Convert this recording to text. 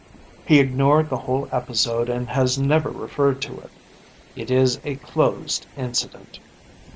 He ignored the whole episode and has never referred to it. It is a closed incident.